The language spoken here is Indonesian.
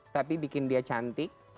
tapi bikin dia cantik